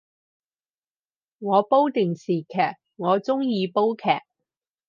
我煲電視劇，我鍾意煲劇